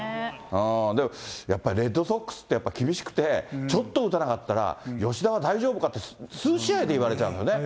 でもやっぱりレッドソックスって、やっぱり厳しくて、ちょっと打たなかったら、吉田は大丈夫かって、数試合で言われちゃうのね。